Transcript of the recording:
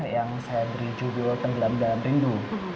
yang saya beri judul tenggelam dalam rindu